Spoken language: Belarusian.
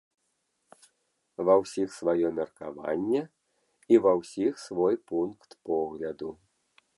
Ва ўсіх сваё меркаванне і ва ўсіх свой пункт погляду.